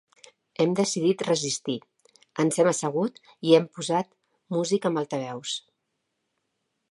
Hem decidit resistir, ens hem assegut i hem posat música amb altaveus.